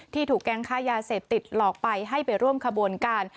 ถูกแก๊งค่ายาเสพติดหลอกไปให้ไปร่วมขบวนการ